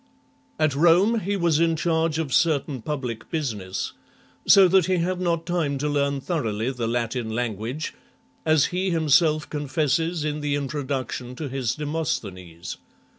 At Rome, he was in charge of certain public business, so that he had not time to learn thoroughly the Latin language, as he himself con fesses in the introduction to his Demosthenes.